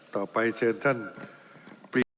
ต่อไปเชิญท่านปริศนา